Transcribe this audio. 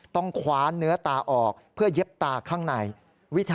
ต้องคว้าเนื้อตาออกเพื่อเย็บตาข้างใน